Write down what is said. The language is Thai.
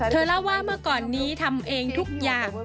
เธอเล่าว่าเมื่อก่อนนี้ทำเองทุกอย่าง